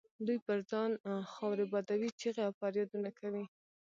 دوی پر ځان خاورې بادوي، چیغې او فریادونه کوي.